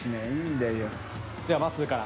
ではまっすーから。